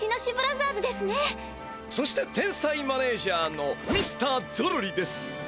そして天才マネージャーのミスターゾロリです。